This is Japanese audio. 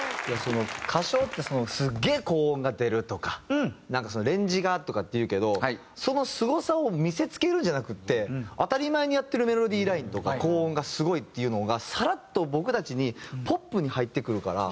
歌唱ってすげえ高音が出るとかなんかレンジがとかって言うけどそのすごさを見せつけるんじゃなくて当たり前にやってるメロディーラインとか高音がすごいっていうのがサラッと僕たちにポップに入ってくるから。